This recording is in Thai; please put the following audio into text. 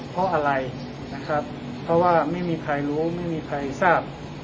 เพราะอะไรนะครับเพราะว่าไม่มีใครรู้ไม่มีใครทราบ